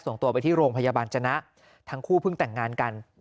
ส่งตัวไปที่โรงพยาบาลจนะทั้งคู่เพิ่งแต่งงานกัน